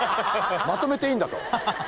まとめていいんだと。